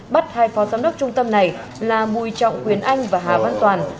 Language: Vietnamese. bắt hai phó giám đốc trung tâm này là bùi trọng quyền anh và hà văn toàn